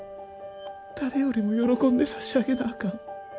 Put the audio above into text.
誰よりも喜んで差し上げなあかん。